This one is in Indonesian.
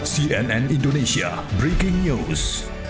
cnn indonesia breaking news